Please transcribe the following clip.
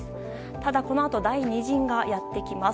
ただ、このあと第２陣がやってきます。